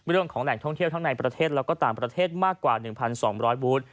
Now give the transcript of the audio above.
เรื่องของแหล่งท่องเที่ยวทั้งในประเทศแล้วก็ต่างประเทศมากกว่า๑๒๐๐บูธ